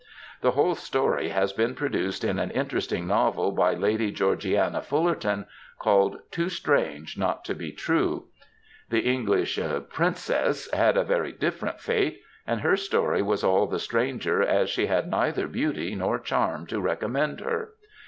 The whole story has been produced in an interesting novel by Lady Georgiana FuUerton, called Too Strange Not to be True, The English " Princess "^ had a very difierent fate, and her story was all the stranger as she had neither beauty nor charm to recommend her.